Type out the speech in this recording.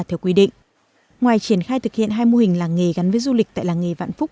theo quy định ngoài triển khai thực hiện hai mô hình làng nghề gắn với du lịch tại làng nghề vạn phúc